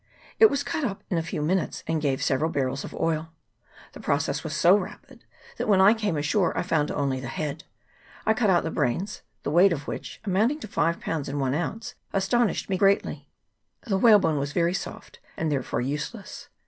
It was cut up in a few minutes, and gave several barrels of oil. The process was so rapid, that when I came ashore I found only the head. I cut out the brains, the weight of which, amounting to five pounds and one ounce, astonished me greatly. The whalebone was very soft, and therefore useless.